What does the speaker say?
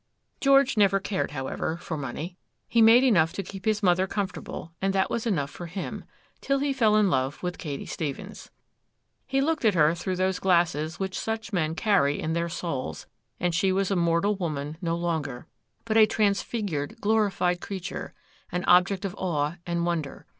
George never cared, however, for money. He made enough to keep his mother comfortable, and that was enough for him, till he fell in love with Katy Stephens. He looked at her through those glasses which such men carry in their souls, and she was a mortal woman no longer, but a transfigured, glorified creature,—an object of awe and wonder.